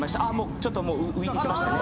ちょっともう浮いてきましたね。